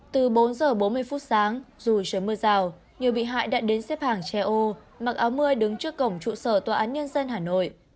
từ bốn giờ bốn mươi phút sáng dù trời mưa rào nhiều bị hại đã đến xếp hàng che ô mặc áo mưa đứng trước cổng trụ sở tòa án nhân dân hà nội